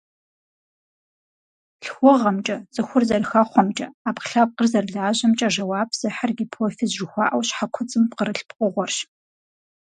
ЛъхугъэмкӀэ, цӀыхур зэрыхэхъуэмкӀэ, Ӏэпкълъэпкъыр зэрылажьэмкӀэ жэуап зыхьыр гипофиз жыхуаӀэу, щхьэкуцӀым пкъырылъ пкъыгъуэрщ.